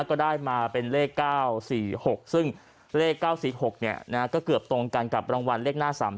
ก็ได้มาเป็นเลข๙๔๖ซึ่งเลข๙๔๖ก็เกือบตรงกันกับรางวัลเลขหน้า๓๓